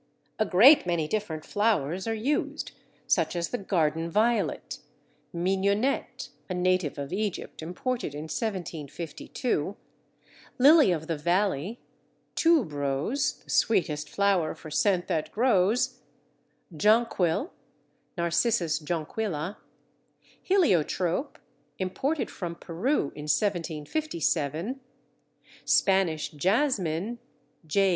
A great many different flowers are used, such as the Garden Violet, Mignonette (a native of Egypt imported in 1752), Lily of the Valley, Tuberose, "the sweetest flower for scent that grows," Jonquil (Narcissus jonquilla), Heliotrope (imported from Peru in 1757), Spanish Jasmine (_J.